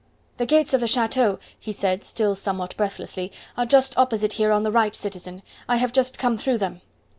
"The gates of the chateau," he said, still somewhat breathlessly, "are just opposite here on the right, citizen. I have just come through them."